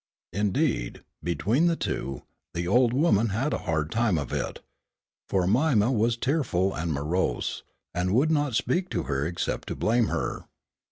Indeed, between the two, the old woman had a hard time of it, for Mima was tearful and morose, and would not speak to her except to blame her.